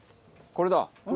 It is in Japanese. これだ！